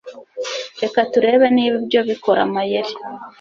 Reka turebe niba ibyo bikora amayeri